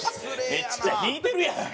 めっちゃ引いてるやん！